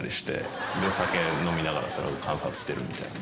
で酒飲みながらそれを観察してるみたいな。